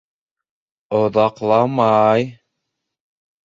Оҙаҡ-ла-май!